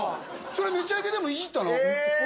それ「めちゃイケ」でもいじったのへえ